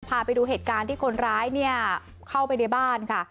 พาไปดูเหตุการณ์ที่คนร้ายเนี่ยเข้าไปในบ้านค่ะ